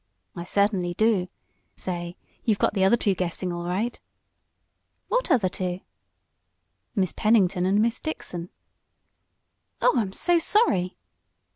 "I certainly do. Say, you've got the other two guessing, all right." "What other two?" "Miss Pennington and Miss Dixon." "Oh, I'm so sorry."